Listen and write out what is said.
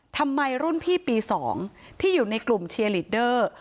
ทำไมรุ่นพี่ปี๒ที่อยู่ในกลุ่มเชียร์ลีดเดอร์